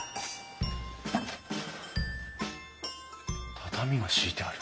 畳が敷いてある。